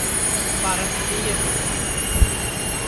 سپا رت پِیگے کھٹمݪ